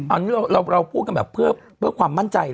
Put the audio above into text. อันนี้เราพูดกันแบบเพื่อความมั่นใจ